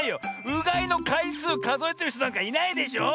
うがいのかいすうかぞえてるひとなんかいないでしょ。